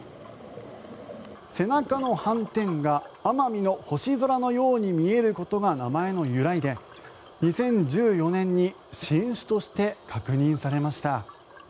背中の斑点が奄美の星空のように見えることが名前の由来で２０１４年に新種として確認されました。